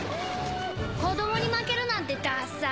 子供に負けるなんてダサい。